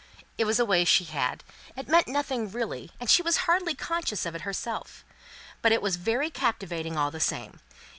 It was a way she had; it meant nothing really; and she was hardly conscious of it herself; but it was very captivating all the same.